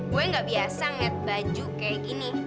gue gak biasa ngeliat baju kayak gini